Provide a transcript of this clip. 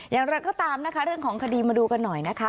อย่างไรก็ตามนะคะเรื่องของคดีมาดูกันหน่อยนะคะ